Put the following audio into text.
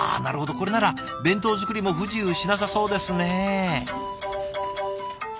これなら弁当作りも不自由しなさそうですね。